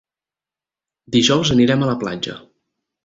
Dijous anirem a la platja.